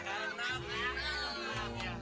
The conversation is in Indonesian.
terima kasih bape